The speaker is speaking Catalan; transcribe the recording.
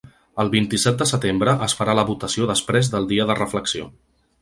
El vint-i-set de setembre es farà la votació després del dia de reflexió.